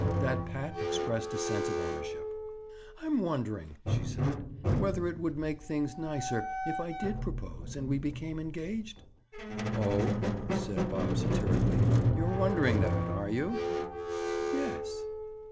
That pat expressed a sense of ownership. "I'm wondering," she said, "whether it would make things nicer, if I did propose and we became engaged?" "Oh," said Bob satirically, "you're wondering that, are you?" "Yes."